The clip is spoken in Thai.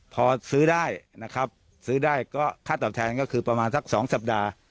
พอซื้อได้นะครับซื้อได้ก็ค่าตอบแทนก็คือประมาณสัก๒สัปดาห์